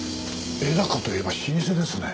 絵高といえば老舗ですね。